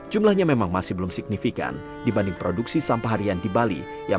jumlahnya memang masih belum signifikan dibanding produksi sampah harian di bali